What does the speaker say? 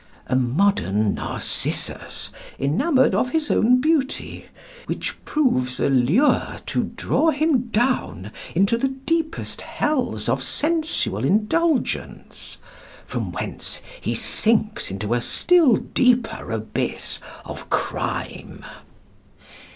A modern Narcissus, enamoured of his own beauty, which proves a lure to draw him down into the deepest hells of sensual indulgence, from whence he sinks into a still deeper abyss of crime.